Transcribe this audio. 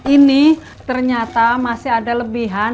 ini ternyata masih ada lebihan